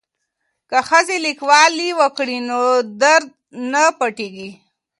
که ښځې لیکوالي وکړي نو درد نه پټیږي.